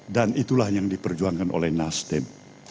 dan itulah yang diperjuangkan oleh nasdem